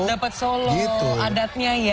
dapat solo adatnya ya